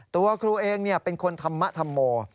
ตัวครูเองเป็นคนธรรมธรรโม